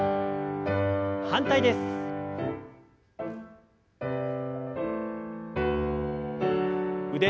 反対です。